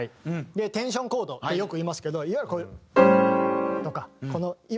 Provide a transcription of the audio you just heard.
テンションコードってよくいいますけどいわゆる。とかこの。